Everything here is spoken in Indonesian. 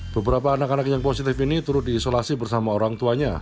beberapa anak anak yang positif ini turut diisolasi bersama orang tuanya